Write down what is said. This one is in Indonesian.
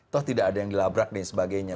toh tidak ada yang dilabrak dan sebagainya